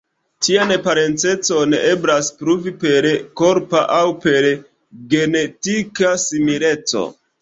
Tian parencecon eblas pruvi per korpa aŭ per genetika simileco.